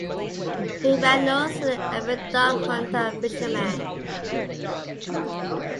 McReynolds is an avid duck-hunter and fisherman.